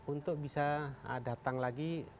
untuk bisa datang lagi